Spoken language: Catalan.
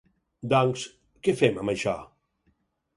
Doncs, què fem amb això?